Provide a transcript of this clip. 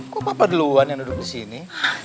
kok papa duluan yang duduk disini